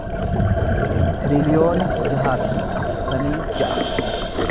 tiriliyoona jaha fi afurtamii ja'a